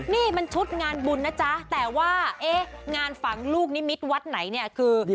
นี่มันชุดงานบุญนะจ๊ะแต่ว่าเอ๊ะงานฝังลูกนิมิตวัดไหนเนี่ยคือ